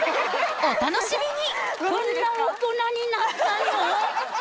お楽しみに！